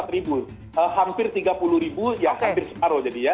tiga puluh empat ribu hampir tiga puluh ribu yang hampir sekarang jadi ya